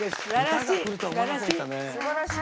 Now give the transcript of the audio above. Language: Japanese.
すばらしい。